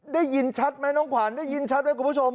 ได้ยินชัดไหมน้องขวัญได้ยินชัดไหมคุณผู้ชม